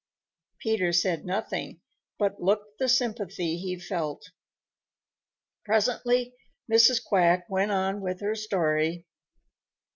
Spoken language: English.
Peter said nothing, but looked the sympathy he felt. Presently Mrs. Quack went on with her story.